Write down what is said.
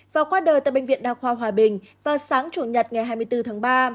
và qua đời tại bệnh viện đa khoa hòa bình vào sáng chủ nhật ngày hai mươi bốn tháng ba